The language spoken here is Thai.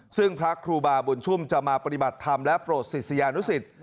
ซึ่งพระครูบาบุญชุมจะมาปฏิบัติธรรมและโปรดศิษยานุสิต